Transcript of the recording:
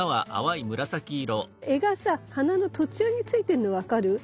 柄がさ花の途中についてんの分かる？